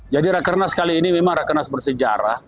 jadi rakernas kali ini memang rakernas bersejarah